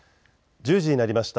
１０時になりました。